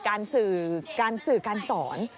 การสื่อการสอน